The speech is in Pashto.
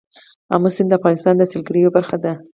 آمو سیند د افغانستان د سیلګرۍ یوه برخه ده.